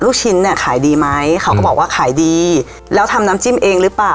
ลูกชิ้นเนี่ยขายดีไหมเขาก็บอกว่าขายดีแล้วทำน้ำจิ้มเองหรือเปล่า